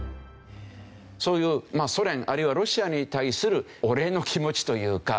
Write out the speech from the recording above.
そういうソ連あるいはロシアに対するお礼の気持ちというか。